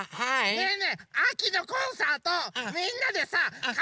ねえねえあきのコンサートみんなでさかんぱいしようよ！